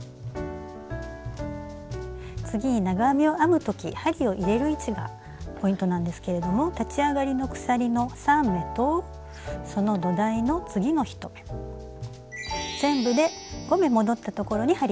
次に長編みを編む時針を入れる位置がポイントなんですけれども立ち上がりの鎖の３目とその土台の次の１目全部で５目戻ったところに針を入れます。